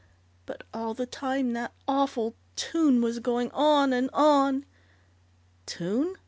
But all the time that awful tune was going on and on " "Tune?"